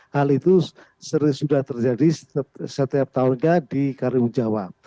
hal itu sudah terjadi setiap tahun ya di kalimantan jawa